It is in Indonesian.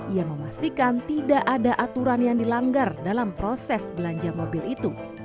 ia memastikan tidak ada aturan yang dilanggar dalam proses belanja mobil itu